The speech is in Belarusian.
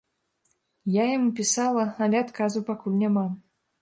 Я яму пісала, але адказу пакуль няма.